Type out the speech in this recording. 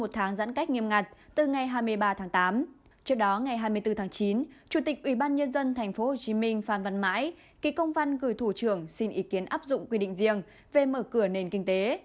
trước đó ngày hai mươi bốn tháng chín chủ tịch ubnd tp hcm phan văn mãi ký công văn gửi thủ trưởng xin ý kiến áp dụng quy định riêng về mở cửa nền kinh tế